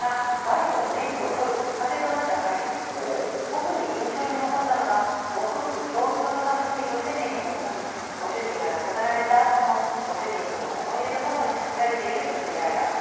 「特に印象に残ったのがご夫婦共通の楽しみとして免許を取りご主人が亡くなられたあともご主人との思い出とともに走られている女性ライダー。